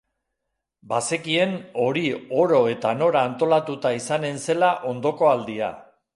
Bazekien hori oro eta nora antolatuta izanen zela ondoko aldia.